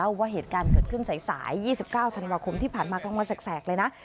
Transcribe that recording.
ว่าเหตุการณ์เกิดขึ้นสาย๒๙ธันวาคมที่ผ่านมากลางวันแสกเลยนะ